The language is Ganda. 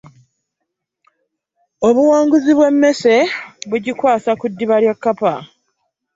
Obuwangaazi bw'emmese, bugikwasa ku ddiba lya Kkapa